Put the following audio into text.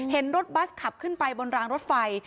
เห็นรถบัสขับขึ้นไปบนรางรถไฟ